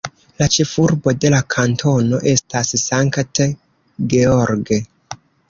La ĉefurbo de la kantono estas St. George.